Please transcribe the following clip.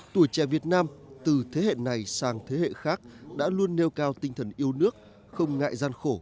tuổi trẻ việt nam từ thế hệ này sang thế hệ khác đã luôn nêu cao tinh thần yêu nước không ngại gian khổ